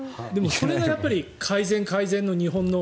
それは改善、改善の日本の。